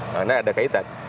karena ada kaitan